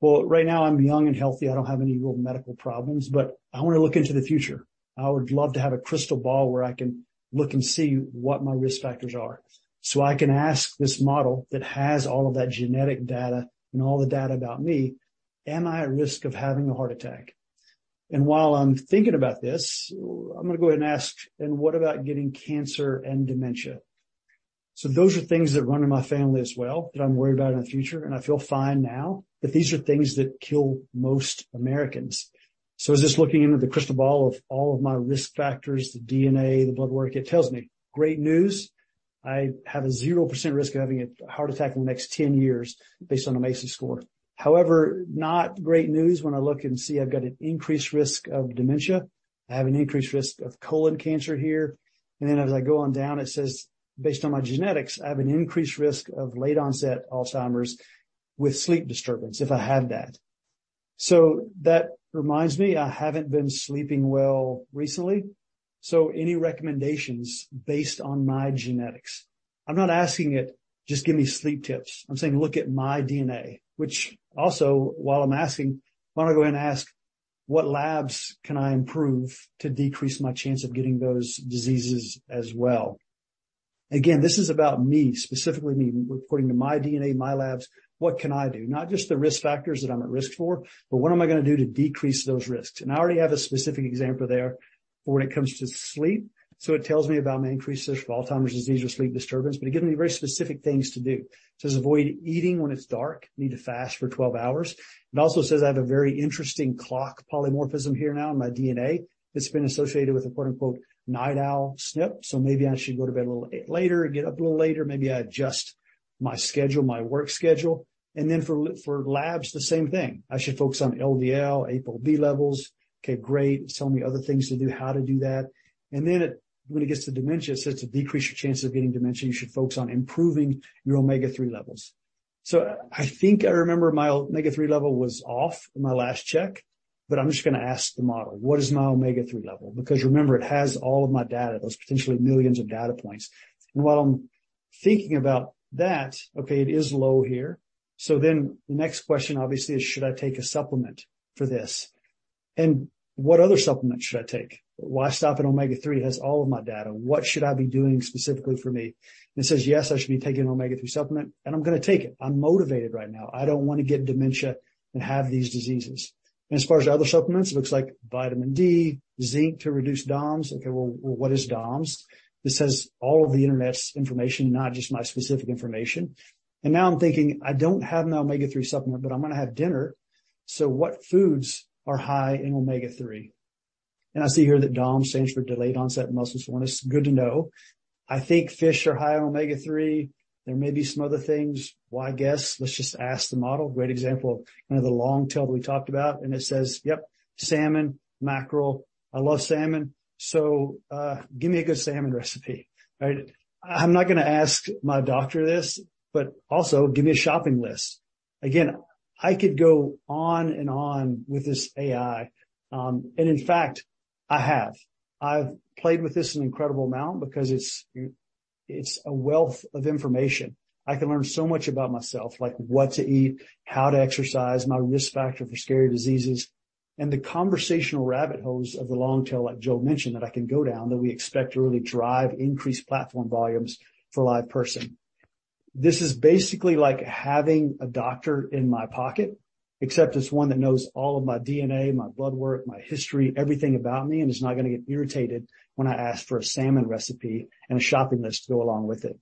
Well, right now I'm young and healthy. I don't have any real medical problems, but I want to look into the future. I would love to have a crystal ball where I can look and see what my risk factors are. I can ask this model that has all of that genetic data and all the data about me, am I at risk of having a heart attack? While I'm thinking about this, I'm gonna go ahead and ask, and what about getting cancer and dementia? Those are things that run in my family as well that I'm worried about in the future, and I feel fine now, but these are things that kill most Americans. Just looking into the crystal ball of all of my risk factors, the DNA, the blood work, it tells me, great news. I have a 0% risk of having a heart attack in the next 10 years based on a MESA score. However, not great news when I look and see I've got an increased risk of dementia. I have an increased risk of colon cancer here. Then as I go on down, it says, based on my genetics, I have an increased risk of late onset Alzheimer's with sleep disturbance, if I have that. That reminds me, I haven't been sleeping well recently. Any recommendations based on my genetics? I'm not asking it, just give me sleep tips. I'm saying, look at my DNA, which also, while I'm asking, why don't I go ahead and ask, what labs can I improve to decrease my chance of getting those diseases as well? Again, this is about me, specifically me, according to my DNA, my labs, what can I do? Not just the risk factors that I'm at risk for, but what am I gonna do to decrease those risks? I already have a specific example there for when it comes to sleep. It tells me about my increased risk of Alzheimer's disease or sleep disturbance, but it gives me very specific things to do. It says, avoid eating when it's dark, need to fast for 12 hours. It also says I have a very interesting clock polymorphism here now in my DNA that's been associated with a quote-unquote, "night owl SNP", so maybe I should go to bed a little later and get up a little later. Maybe adjust my schedule, my work schedule. For labs, the same thing. I should focus on LDL, ApoB levels. Okay, great. It's telling me other things to do, how to do that. It when it gets to dementia, it says to decrease your chance of getting dementia, you should focus on improving your omega-3 levels. I think I remember my omega-3 level was off in my last check, but I'm just gonna ask the model, what is my omega-3 level? Remember, it has all of my data, those potentially millions of data points. While I'm thinking about that, okay, it is low here. The next question obviously is, should I take a supplement for this? What other supplements should I take? Why stop at omega-3? It has all of my data. What should I be doing specifically for me? It says, yes, I should be taking an omega-3 supplement, and I'm gonna take it. I'm motivated right now. I don't wanna get dementia and have these diseases. As far as other supplements, it looks like vitamin D, zinc to reduce DOMS. Okay, well, what is DOMS? This has all of the Internet's information, not just my specific information. Now I'm thinking, I don't have an omega-3 supplement, but I'm gonna have dinner, so what foods are high in omega-3? I see here that DOMS stands for delayed onset muscle soreness. Good to know. I think fish are high in omega-3. There may be some other things. Why guess? Let's just ask the model. Great example of the long tail that we talked about. It says, yep, salmon, mackerel. I love salmon, so, give me a good salmon recipe, right? I'm not gonna ask my doctor this, but also give me a shopping list. Again, I could go on and on with this AI, and in fact, I have. I've played with this an incredible amount because it's a wealth of information. I can learn so much about myself, like what to eat, how to exercise, my risk factor for scary diseases, and the conversational rabbit holes of the long tail, like Joe mentioned, that I can go down that we expect to really drive increased platform volumes for LivePerson. This is basically like having a doctor in my pocket, except it's one that knows all of my DNA, my blood work, my history, everything about me, and is not gonna get irritated when I ask for a salmon recipe and a shopping list to go along with it.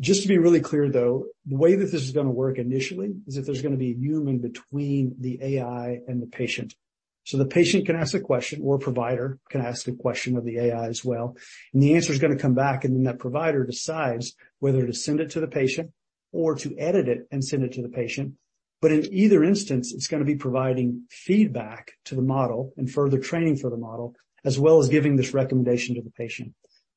Just to be really clear, though, the way that this is gonna work initially is that there's gonna be a human between the AI and the patient. The patient can ask a question, or provider can ask a question of the AI as well, and the answer is gonna come back, and then that provider decides whether to send it to the patient or to edit it and send it to the patient. In either instance, it's gonna be providing feedback to the model and further training for the model, as well as giving this recommendation to the patient.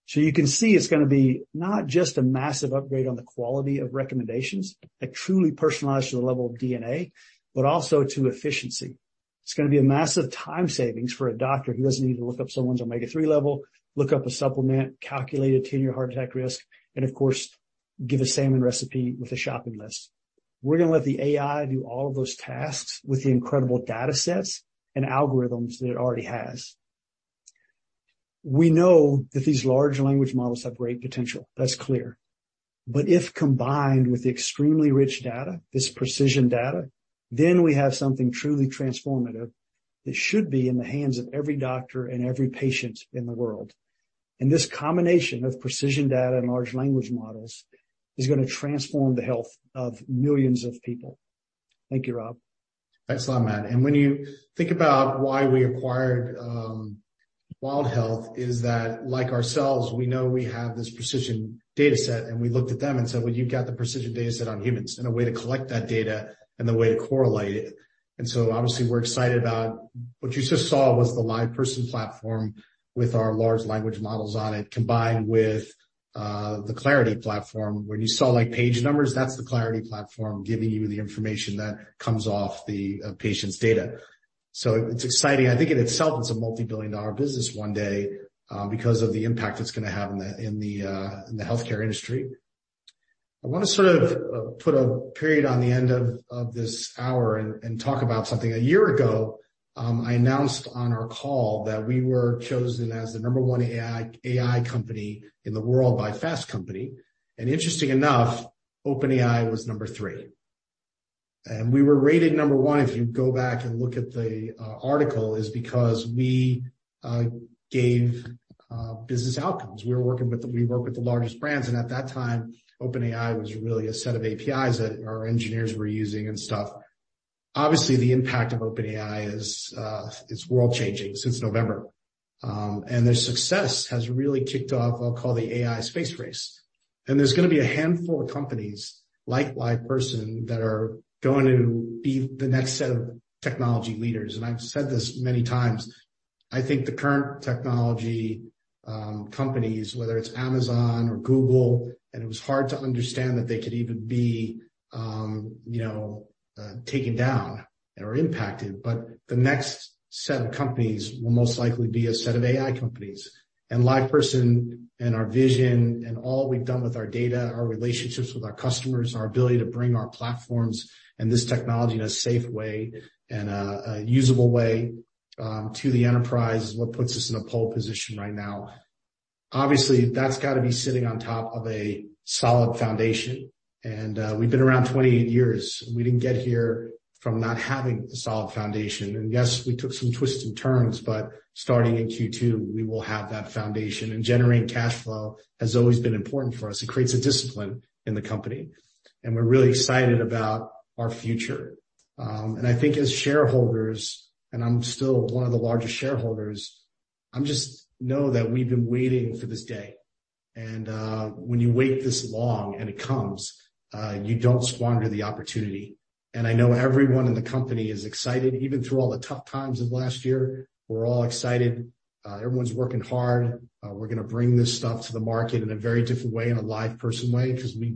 You can see it's gonna be not just a massive upgrade on the quality of recommendations that truly personalize to the level of DNA, but also to efficiency. It's gonna be a massive time savings for a doctor who doesn't need to look up someone's omega-3 level, look up a supplement, calculate a 10-year heart attack risk, and of course, give a salmon recipe with a shopping list. We're gonna let the AI do all of those tasks with the incredible data sets and algorithms that it already has. We know that these large language models have great potential that's clear. If combined with extremely rich data, this precision data, then we have something truly transformative that should be in the hands of every doctor and every patient in the world. this combination of precision data and large language models is gonna transform the health of millions of people. Thank you, Rob. Thanks a lot, Matt. When you think about why we acquired Wild Health is that like ourselves, we know we have this precision data set, and we looked at them and said, well, you've got the precision data set on humans and a way to collect that data and the way to correlate it. Obviously we're excited about what you just saw was the LivePerson platform with our large language models on it, combined with the Clarity platform. When you saw like page numbers, that's the Clarity platform giving you the information that comes off the patient's data. It's exciting. I think in itself, it's a multi-billion-dollar business one day, because of the impact it's gonna have in the healthcare industry. I wanna sort of put a period on the end of this hour and talk about something. A year ago, I announced on our call that we were chosen as the number one AI company in the world by Fast Company. Interesting enough, OpenAI was number three. We were rated number one, if you go back and look at the article, is because we gave business outcomes. We work with the largest brands, and at that time, OpenAI was really a set of APIs that our engineers were using and stuff. Obviously, the impact of OpenAI is world-changing since November. Their success has really kicked off, I'll call the AI space race. There's gonna be a handful of companies like LivePerson that are going to be the next set of technology leaders. I've said this many times, I think the current technology companies, whether it's Amazon or Google, and it was hard to understand that they could even be, you know, taken down or impacted. The next set of companies will most likely be a set of AI companies. LivePerson and our vision and all we've done with our data, our relationships with our customers, our ability to bring our platforms and this technology in a safe way and a usable way to the enterprise is what puts us in a pole position right now. Obviously, that's got to be sitting on top of a solid foundation. We've been around 28 years. We didn't get here from not having a solid foundation. Yes, we took some twists and turns, but starting in Q2, we will have that foundation. Generating cash flow has always been important for us. It creates a discipline in the company, and we're really excited about our future. I think as shareholders, and I'm still one of the largest shareholders, I know that we've been waiting for this day. When you wait this long and it comes, you don't squander the opportunity. I know everyone in the company is excited. Even through all the tough times of last year, we're all excited. Everyone's working hard. We're gonna bring this stuff to the market in a very different way, in a LivePerson way, 'cause we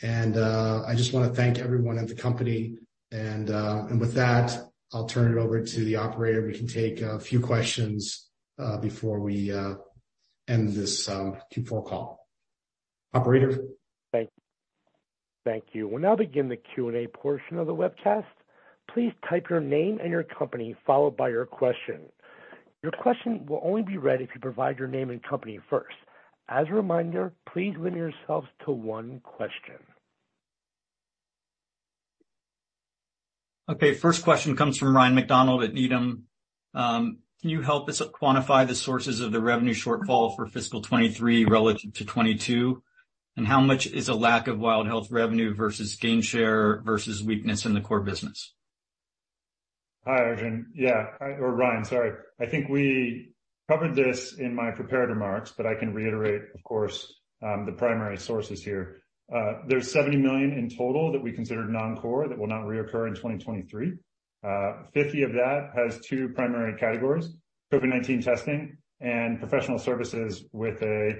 build and innovate, we don't copy. I just wanna thank everyone at the company. With that, I'll turn it over to the operator. We can take a few questions before we end this Q4 call. Operator? Thank you. We'll now begin the Q&A portion of the webcast. Please type your name and your company, followed by your question. Your question will only be read if you provide your name and company first. As a reminder, please limit yourselves to one question. Okay, first question comes from Ryan MacDonald at Needham. Can you help us quantify the sources of the revenue shortfall for fiscal 23 relative to 22? How much is a lack of Wild Health revenue versus gain share versus weakness in the core business? Hi, Ryan. I think we covered this in my prepared remarks, but I can reiterate, of course, the primary sources here. There's $70 million in total that we considered non-core that will not reoccur in 2023. $50 million of that has two primary categories, COVID-19 testing and professional services with a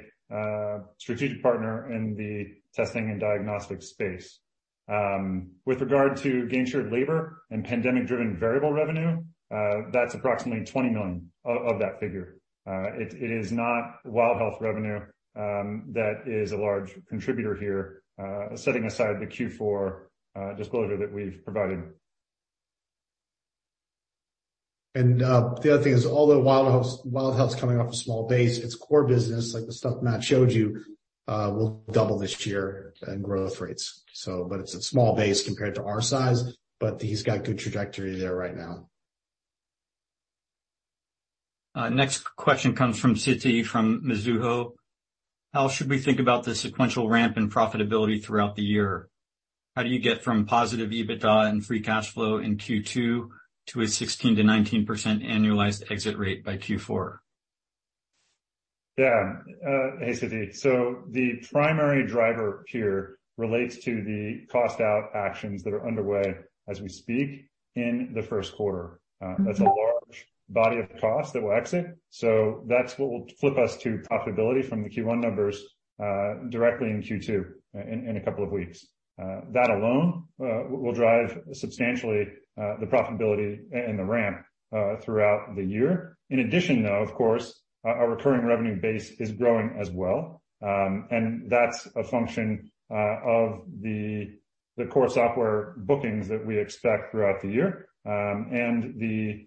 strategic partner in the testing and diagnostic space. With regard to gain shared labor and pandemic-driven variable revenue, that's approximately $20 million of that figure. It is not Wild Health revenue that is a large contributor here, setting aside the Q4 disclosure that we've provided. The other thing is, although Wild Health, Wild Health's coming off a small base, its core business, like the stuff Matt showed you, will double this year in growth rates. It's a small base compared to our size, but he's got good trajectory there right now. Next question comes from Siti from Mizuho. How should we think about the sequential ramp in profitability throughout the year? How do you get from positive EBITDA and free cash flow in Q2 to a 16%-19% annualized exit rate by Q4? Hey, Siti. The primary driver here relates to the cost out actions that are underway as we speak in the first quarter. That's a large body of cost that will exit. That's what will flip us to profitability from the Q1 numbers, directly in Q2, in a couple of weeks. That alone, will drive substantially the profitability and the ramp throughout the year. In addition, though, of course, our recurring revenue base is growing as well. And that's a function of the core software bookings that we expect throughout the year, and the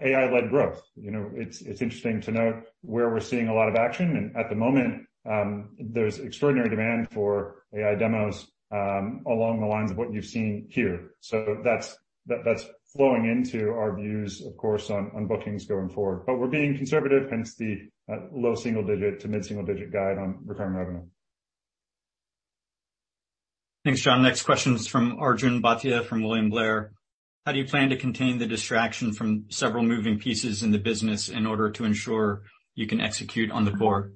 AI-led growth. You know, it's interesting to note where we're seeing a lot of action. At the moment, there's extraordinary demand for AI demos, along the lines of what you've seen here. That's, that's flowing into our views, of course, on bookings going forward. We're being conservative, hence the low single digit to mid-single digit guide on recurring revenue. Thanks, John. Next question is from Arjun Bhatia from William Blair. How do you plan to contain the distraction from several moving pieces in the business in order to ensure you can execute on the core?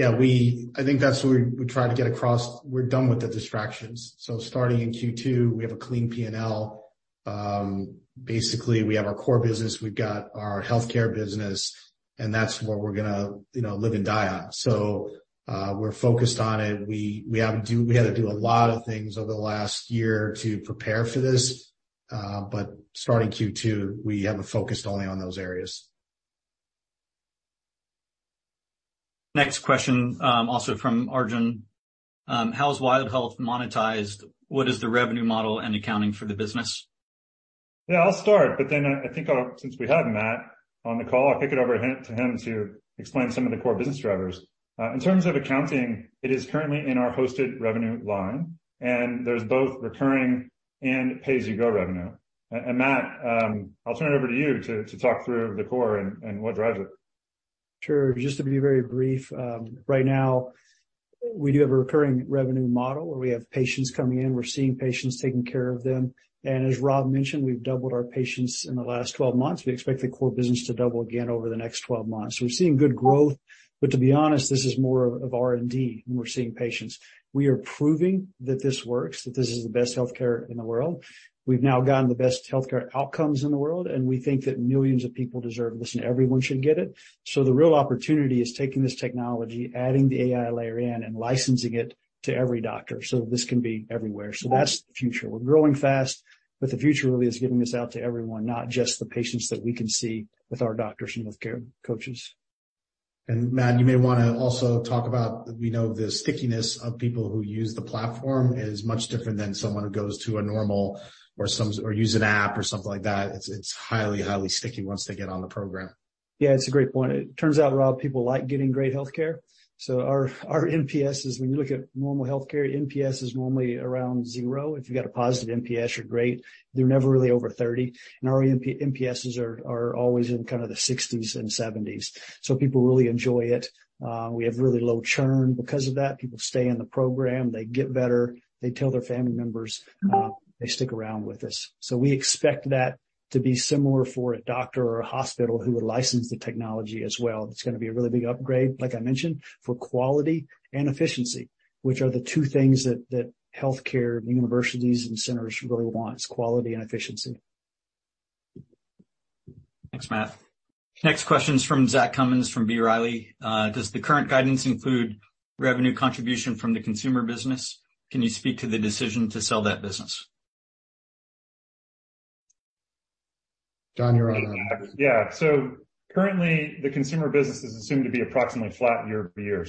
I think that's what we try to get across. We're done with the distractions. Starting in Q2, we have a clean P&L. Basically, we have our core business, we've got our healthcare business, and that's what we're gonna, you know, live and die on. We're focused on it. We had to do a lot of things over the last year to prepare for this. Starting Q2, we have a focus only on those areas. Next question, also from Arjun. How's Wild Health monetized? What is the revenue model and accounting for the business? Yeah, I'll start. I think since we have Matt on the call, I'll kick it over to him to explain some of the core business drivers. In terms of accounting, it is currently in our hosted revenue line, and there's both recurring and pay-as-you-go revenue. Matt, I'll turn it over to you to talk through the core and what drives it. Sure. Just to be very brief, right now we do have a recurring revenue model where we have patients coming in, we're seeing patients, taking care of them. As Rob mentioned, we've doubled our patients in the last 12 months. We expect the core business to double again over the next 12 months. We're seeing good growth, but to be honest, this is more of R&D when we're seeing patients. We are proving that this works, that this is the best healthcare in the world. We've now gotten the best healthcare outcomes in the world, and we think that millions of people deserve this, and everyone should get it. The real opportunity is taking this technology, adding the AI layer in, and licensing it to every doctor, so this can be everywhere. That's the future. We're growing fast, the future really is getting this out to everyone, not just the patients that we can see with our doctors and with care coaches. Matt, you may wanna also talk about, we know the stickiness of people who use the platform is much different than someone who goes to a normal or use an app or something like that. It's highly sticky once they get on the program. Yeah, it's a great point. It turns out, Rob, people like getting great healthcare. Our NPS is when you look at normal healthcare, NPS is normally around zero. If you've got a positive NPS, you're great. They're never really over 30. Our NPSs are always in kind of the 60s and 70s. People really enjoy it. We have really low churn because of that. People stay in the program, they get better, they tell their family members, they stick around with us. We expect that to be similar for a doctor or a hospital who would license the technology as well. It's gonna be a really big upgrade, like I mentioned, for quality and efficiency, which are the two things that healthcare universities and centers really want is quality and efficiency. Thanks, Matt. Next question is from Zach Cummins, from B. Riley. Does the current guidance include revenue contribution from the consumer business? Can you speak to the decision to sell that business? John, you're on. Yeah. Currently, the consumer business is assumed to be approximately flat year-over-year.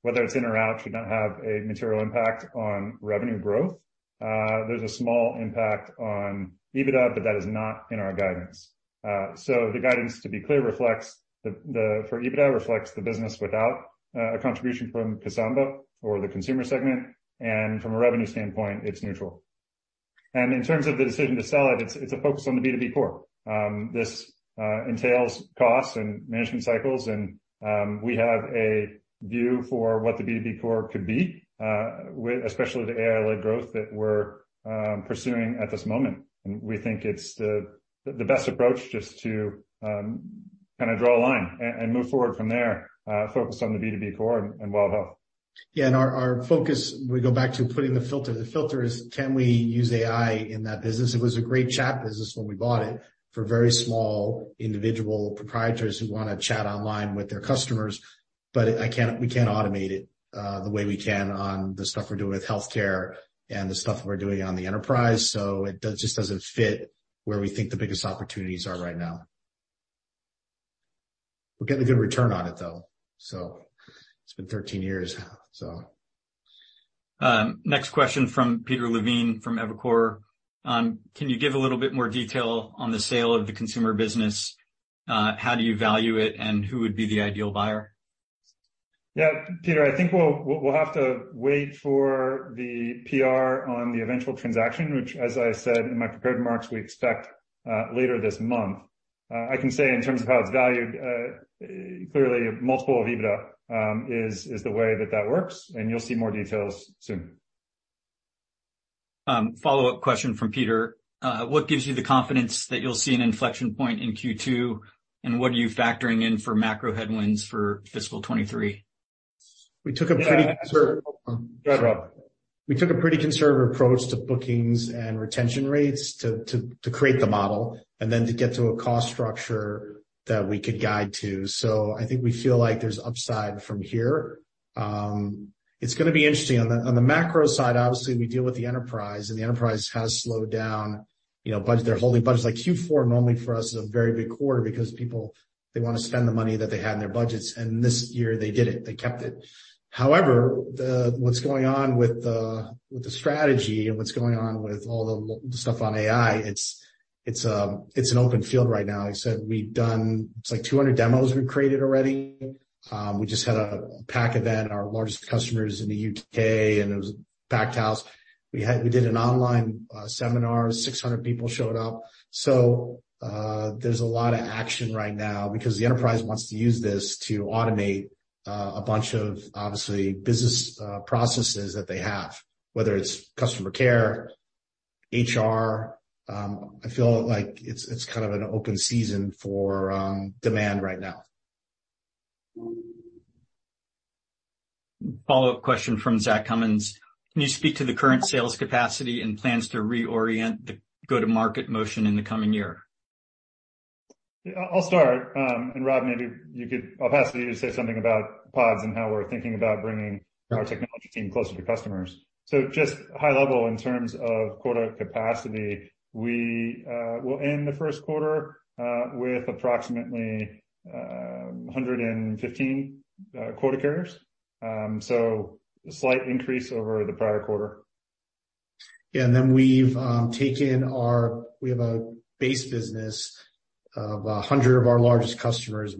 Whether it's in or out should not have a material impact on revenue growth. There's a small impact on EBITDA, but that is not in our guidance. The guidance, to be clear, reflects the for EBITDA, reflects the business without a contribution from Kasamba or the consumer segment. From a revenue standpoint, it's neutral. In terms of the decision to sell it's a focus on the B2B core. This entails costs and management cycles, and we have a view for what the B2B core could be with especially the AI-led growth that we're pursuing at this moment. We think it's the best approach just to kinda draw a line and move forward from there, focused on the B2B core and Wild Health. Yeah, our focus, we go back to putting the filter. The filter is can we use AI in that business? It was a great chat business when we bought it for very small individual proprietors who wanna chat online with their customers. But we can't automate it, the way we can on the stuff we're doing with healthcare and the stuff we're doing on the enterprise. Just doesn't fit where we think the biggest opportunities are right now. We're getting a good return on it, though, so it's been 13 years, so. Next question from Peter Levine from Evercore. Can you give a little bit more detail on the sale of the consumer business? How do you value it, and who would be the ideal buyer? Yeah. Peter, I think we'll have to wait for the PR on the eventual transaction, which, as I said in my prepared remarks, we expect later this month. I can say in terms of how it's valued, clearly multiple of EBITDA is the way that that works, and you'll see more details soon. Follow-up question from Peter. What gives you the confidence that you'll see an inflection point in Q2, and what are you factoring in for macro headwinds for fiscal 2023? We took a pretty conservative. Yeah. Go ahead, Rob. We took a pretty conservative approach to bookings and retention rates to create the model and then to get to a cost structure that we could guide to. I think we feel like there's upside from here. It's gonna be interesting. On the macro side, obviously, we deal with the enterprise, and the enterprise has slowed down, you know, They're holding budgets. Like, Q4 normally for us is a very big quarter because people, they wanna spend the money that they had in their budgets, and this year they did it. They kept it. However, what's going on with the strategy and what's going on with all the stuff on AI, it's an open field right now. I said we've done... It's like 200 demos we've created already. We just had a PAC event, our largest customers in the U.K., and it was a packed house. We did an online seminar, 600 people showed up. There's a lot of action right now because the enterprise wants to use this to automate a bunch of, obviously, business processes that they have, whether it's customer care-HR. I feel like it's kind of an open season for demand right now. Follow-up question from Zach Cummins. Can you speak to the current sales capacity and plans to reorient the go-to-market motion in the coming year? Yeah, I'll start. Rob, I'll pass it to you to say something about pods and how we're thinking about bringing our technology team closer to customers. Just high level in terms of quota capacity. We will end the first quarter with approximately 115 quota carriers. A slight increase over the prior quarter. Yeah. Then we've we have a base business of 100 of our largest customers,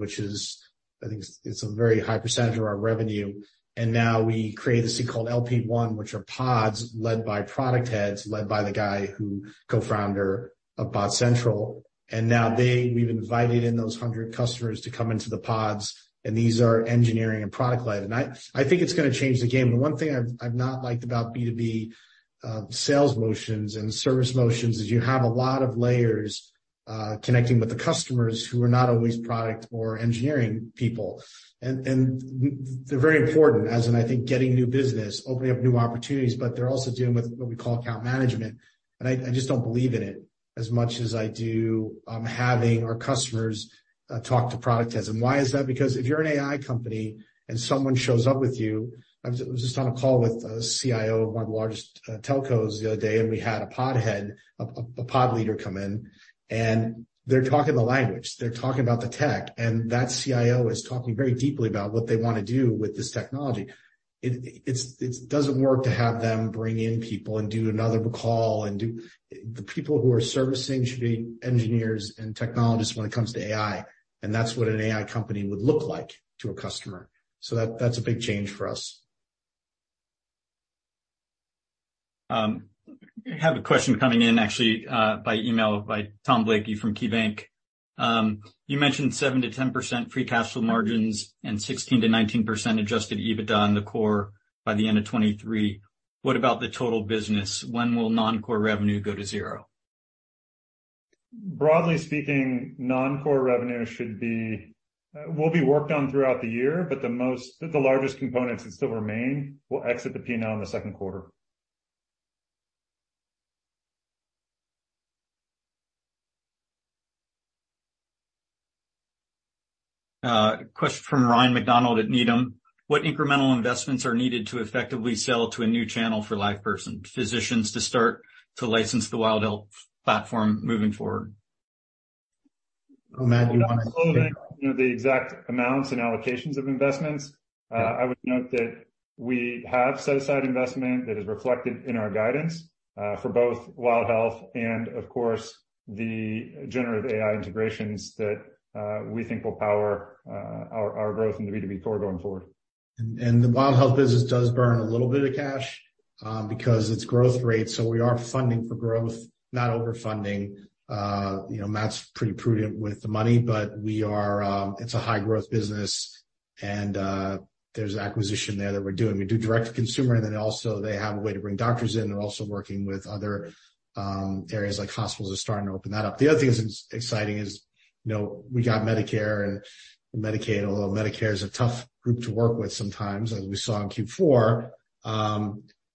I think it's a very high percentage of our revenue. Now we created this thing called LivePerson one, which are pods led by product heads, led by the guy who co-founder of BotCentral. Now we've invited in those 100 customers to come into the pods, and these are engineering and product led. I think it's gonna change the game. The one thing I've not liked about B2B sales motions and service motions is you have a lot of layers connecting with the customers who are not always product or engineering people. They're very important as in, I think, getting new business, opening up new opportunities, but they're also dealing with what we call account management. I just don't believe in it as much as I do having our customers talk to product heads. Why is that? Because if you're an AI company and someone shows up with you... I was just on a call with a CIO of one of the largest telcos the other day, and we had a pod head, a pod leader come in, and they're talking the language, they're talking about the tech, and that CIO is talking very deeply about what they wanna do with this technology. It doesn't work to have them bring in people and do another call and do... The people who are servicing should be engineers and technologists when it comes to AI, and that's what an AI company would look like to a customer. That's a big change for us. I have a question coming in actually, by email by Thomas Blakey from KeyBanc. You mentioned 7%-10% free cash flow margins and 16%-19% adjusted EBITDA in the core by the end of 2023. What about the total business? When will non-core revenue go to zero? Broadly speaking, non-core revenue will be worked on throughout the year, but the largest components that still remain will exit the P&L in the second quarter. Question from Ryan MacDonald at Needham. What incremental investments are needed to effectively sell to a new channel for LivePerson physicians to start to license the Wild Health platform moving forward? Matt, do you wanna take that? I'm not going to go into, you know, the exact amounts and allocations of investments. I would note that we have set aside investment that is reflected in our guidance, for both Wild Health and of course, the generative AI integrations that we think will power our growth in the B2B core going forward. The Wild Health business does burn a little bit of cash because its growth rate. We are funding for growth, not overfunding. You know, Matt's pretty prudent with the money, but we are. It's a high growth business, and there's acquisition there that we're doing. We do direct to consumer, and then also they have a way to bring doctors in. They're also working with other areas like hospitals are starting to open that up. The other thing that's exciting is, you know, we got Medicare and Medicaid. Although Medicare is a tough group to work with sometimes, as we saw in Q4.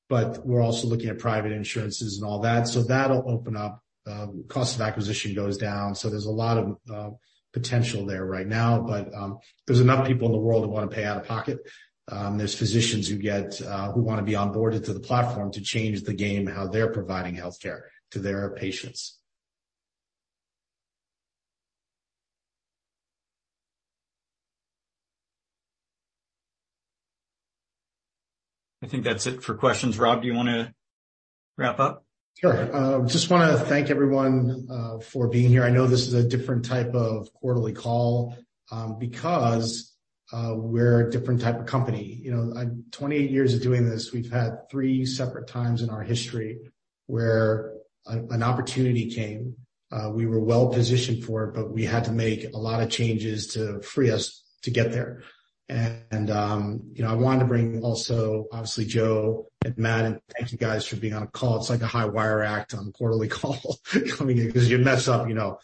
But we're also looking at private insurances and all that. That'll open up, cost of acquisition goes down. There's a lot of potential there right now. There's enough people in the world that wanna pay out of pocket. There's physicians who wanna be onboarded to the platform to change the game, how they're providing health care to their patients. I think that's it for questions. Rob, do you wanna wrap up? Sure. just wanna thank everyone for being here. I know this is a different type of quarterly call, because we're a different type of company. You know, I'm 28 years of doing this, we've had three separate times in our history where an opportunity came. We were well-positioned for it, but we had to make a lot of changes to free us to get there. You know, I wanted to bring also, obviously, Joe and Matt, and thank you guys for being on a call. It's like a high wire act on a quarterly call coming in 'cause you mess up, you know,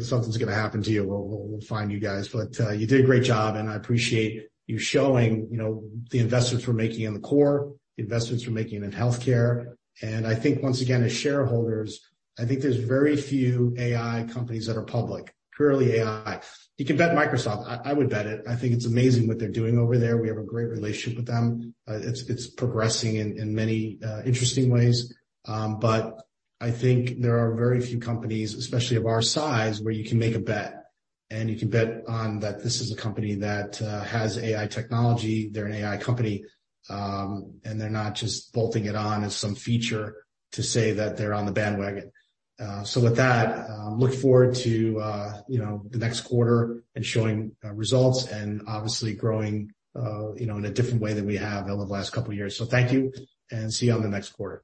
something's gonna happen to you. We'll find you guys. You did a great job, and I appreciate you showing, you know, the investments we're making in the core, the investments we're making in healthcare. I think once again, as shareholders, I think there's very few AI companies that are public, purely AI. You can bet Microsoft. I would bet it. I think it's amazing what they're doing over there. We have a great relationship with them. It's progressing in many interesting ways. I think there are very few companies, especially of our size, where you can make a bet, and you can bet on that this is a company that has AI technology. They're an AI company, and they're not just bolting it on as some feature to say that they're on the bandwagon. With that, look forward to, you know, the next quarter and showing results and obviously growing, you know, in a different way than we have over the last couple of years. Thank you, and see you on the next quarter.